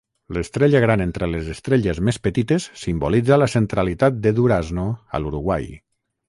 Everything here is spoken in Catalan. L'estrella gran entre les estrelles més petites simbolitza la centralitat de Durazno a l'Uruguai.